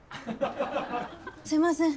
すいません。